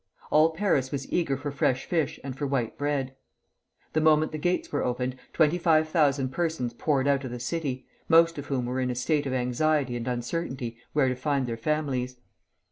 All Paris was eager for fresh fish and for white bread. The moment the gates were opened, twenty five thousand persons poured out of the city, most of whom were in a state of anxiety and uncertainty where to find their families.